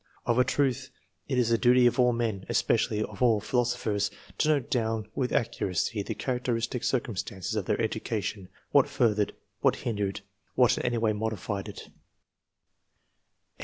Of a truth, it is the duty of all men, especially of all philosophers, to note down with accuracy the characteristic circumstances of their Education, what furthered, what hindered, what in any way modified lv« •.